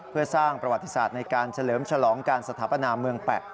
เพื่อสร้างประวัติศาสตร์ในการเฉลิมฉลองการสถาปนาเมืองแปะ